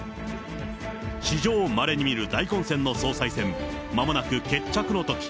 史上まれに見る大混戦の総裁選、まもなく決着のとき。